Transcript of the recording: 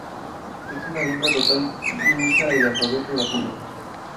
Es una lengua tonal y usa el alfabeto latino.